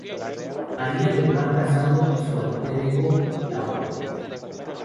Maria del mar casado y su alterego Laura